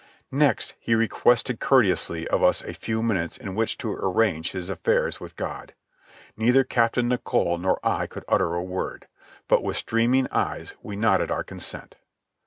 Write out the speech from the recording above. Next he requested courteously of us a few minutes in which to arrange his affairs with God. Neither Captain Nicholl nor I could utter a word, but with streaming eyes we nodded our consent.